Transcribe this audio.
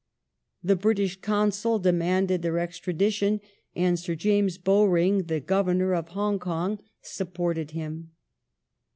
The British Consul demanded their extradition, and Sir John Bowring, the Governor of Hong Kong, supported him.